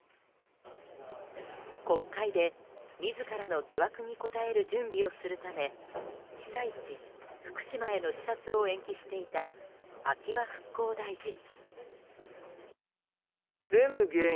国会で自らの疑惑に答える準備をするため被災地・福島への視察を延期していた秋葉復興大臣。